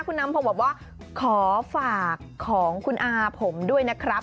คุณน้ำพงศ์บอกว่าขอฝากของคุณอาผมด้วยนะครับ